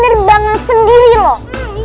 terbang yang sendiri loh